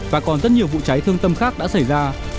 và còn rất nhiều vụ cháy thương tâm khác đã xảy ra